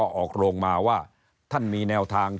เพราะฉะนั้นท่านก็ออกโรงมาว่าท่านมีแนวทางที่จะทำเรื่องนี้ยังไง